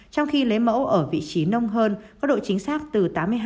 trong khi lấy mẫu ở vị trí nông hơn có độ chính xác từ tám mươi hai tám mươi tám